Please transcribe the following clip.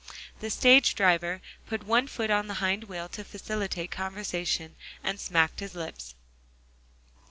The stage driver put one foot on the hind wheel to facilitate conversation, and smacked his lips.